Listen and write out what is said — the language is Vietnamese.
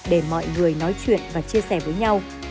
để mọi người nói chuyện và chia sẻ với nhau